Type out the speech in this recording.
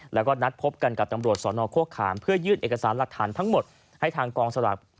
แล้วก็นัดพบกันกับตำรวจสนโฆขามเพื่อยื่นเอกสารหลักฐานทั้งหมดให้ทางกองสลัก